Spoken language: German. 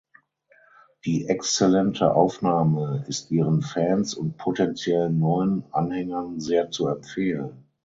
Die exzellente Aufnahme ist ihren Fans und potenziellen neuen Anhängern sehr zu empfehlen.